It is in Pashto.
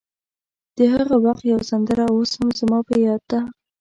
د هغه وخت یوه سندره اوس هم زما په یاد ده.